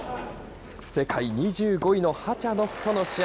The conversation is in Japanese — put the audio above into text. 世界２５位のハチャノフとの試合。